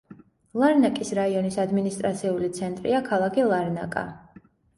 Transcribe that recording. ლარნაკის რაიონის ადმინისტრაციული ცენტრია ქალაქი ლარნაკა.